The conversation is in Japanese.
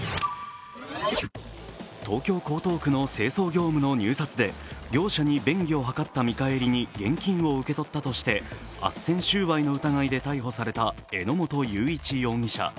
東京・江東区の清掃業務の入札で業者に便宜を図った見返りに現金を受け取ったとしてあっせん収賄の疑いで逮捕された榎本雄一容疑者。